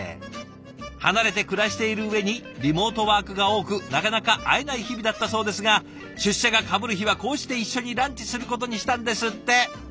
離れて暮らしている上にリモートワークが多くなかなか会えない日々だったそうですが出社がかぶる日はこうして一緒にランチすることにしたんですって。